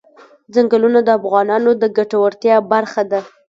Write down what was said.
ځنګلونه د افغانانو د ګټورتیا برخه ده.